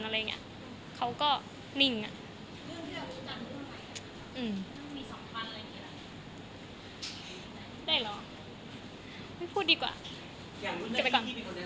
เรื่องที่เรารู้กันมันมีสมควรคะ